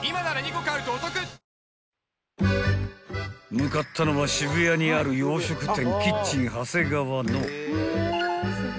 ［向かったのは渋谷にある洋食店］